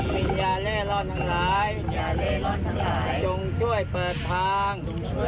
วิญญาณเร่ร่อนทั้งหลายจงช่วยเปิดทาง